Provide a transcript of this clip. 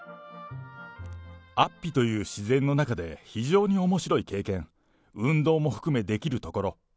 安比という自然の中で、非常におもしろい経験、運動も含めできるところ。